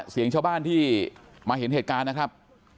เสียงชาวบ้านที่มาเห็นเหตุการณ์นะครับ